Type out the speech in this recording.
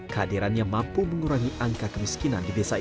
kehadirannya mampu mengurangi angka kemiskinan di desa ini